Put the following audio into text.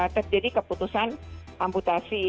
terjadi keputusan amputasi